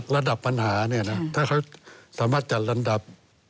ระดับปัญหาถ้าเค้าสามารถจัดระดับ